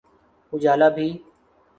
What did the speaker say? اجالا بھی۔